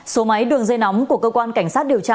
số máy đường dây nóng của cơ quan cảnh sát điều tra